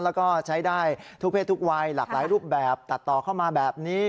แล้วก็ใช้ได้ทุกเพศทุกวัยหลากหลายรูปแบบตัดต่อเข้ามาแบบนี้